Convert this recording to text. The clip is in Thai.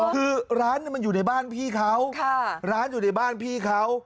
คือร้านมันอยู่ในบ้านพี่เขาร้านอยู่ในบ้านพี่เขา